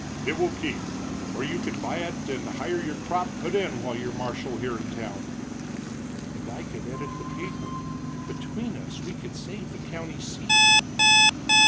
"It will keep. Or you could buy it, and hire your crop put in while you're marshal here in town." "And I could edit the paper. Between us we could save the county seat."